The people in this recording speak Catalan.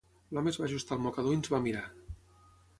L'home es va ajustar el mocador i ens va mirar.